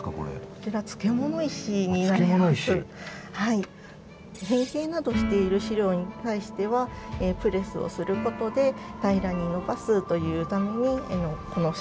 こちら漬物石？変形などしている資料に対してはプレスをすることで平らに伸ばすというためにこの作業をしています。